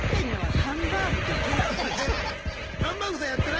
ハンバーグさんやってない？